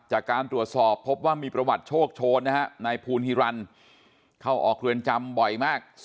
จากการตรวจสอบพบว่ามีประวัติโชคโชนนะฮะนายภูลฮิรันเข้าออกเรือนจำบ่อยมาก